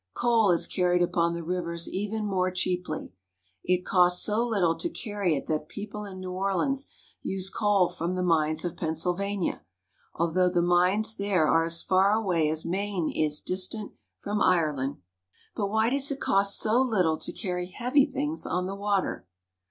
Coal is carried upon the rivers even more cheaply. It costs so little to carry it that people in New Orleans use coal from the mines of Pennsylvania, although the mines there are as far away as Maine is distant from Ireland. But why does it cost so httle to carry heavy things on the water?